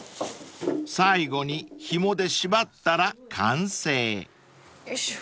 ［最後にひもで縛ったら完成］よいしょ。